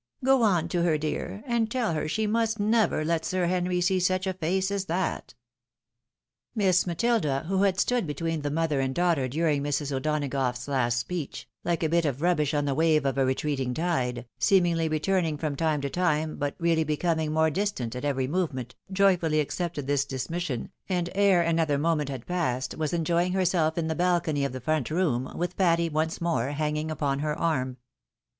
" Go on to her, dear, and tell her she must never let Sir Henry see such a face as that !" Miss Matilda, who had stood between the mother and daughter during Mrs. O'Donagough's last speech, Kke a bit of rubbish on the wave of a retreating tide, seemingly returning from time to time, but really becoming more distant at every movement, joyfully accepted this dismission, and ere another moment had passed was enjoying herself in the balcony of the front room, with Patty once more hanging upon her arm.